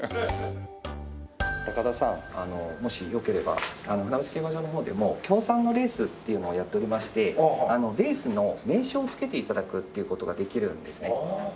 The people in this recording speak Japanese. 高田さんもしよければ船橋競馬場の方でも協賛のレースっていうのをやっておりましてレースの名称をつけて頂くっていう事ができるんですね。